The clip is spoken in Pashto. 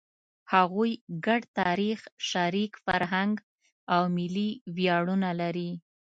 هغوی ګډ تاریخ، شریک فرهنګ او ملي ویاړونه لري.